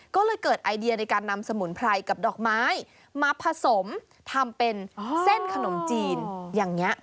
ก็เลยเกิดไอเดียในการนำสมุนไพรกับดอกไม้มาผสมทำเป็นเส้นขนมจีนอย่างนี้